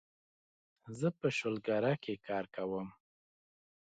زه په شولګره کې کار کوم